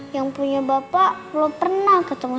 yang punya bapak belum pernah ketemu